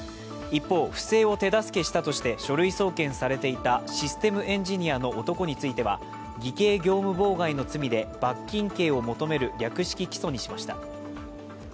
一方、不正を手助けしたとして書類送検されていたシステムエンジニアの男については、偽計業務妨害の罪で罰金刑を求める略式起訴にしました。